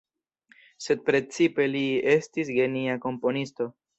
Sed precipe li estis genia komponisto.